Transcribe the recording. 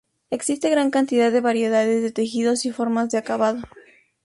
Existe gran cantidad de variedades de tejidos y formas de acabado.